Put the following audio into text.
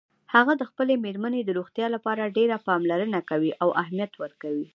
هغه د خپلې میرمن د روغتیا لپاره ډېره پاملرنه کوي او اهمیت ورکوي